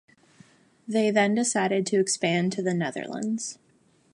They then decided to expand to the Netherlands.